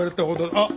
あっ！